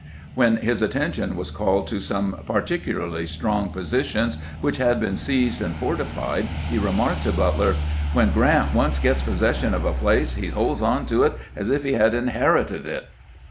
When his attention was called to some particularly strong positions which had been seized and fortified, he remarked to Butler :" When Grant once gets posses sion of a place, he holds on to it as if he had inherited it."